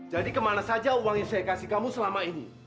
jadi kemana saja uang yang saya kasih kamu selama ini